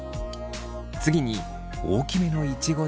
次に大きめのイチゴだけ。